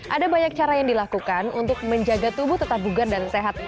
ada banyak cara yang dilakukan untuk menjaga tubuh tetap bugar dan sehat